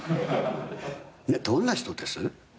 どんな人です？